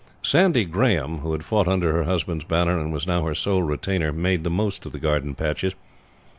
Sandy Grahame, who had fought under her husband's banner and was now her sole retainer, made the most of the garden patches.